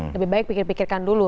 lebih baik pikir pikirkan dulu